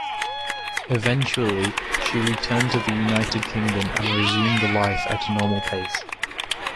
Eventually she returned to the United Kingdom and resumed life at a normal pace.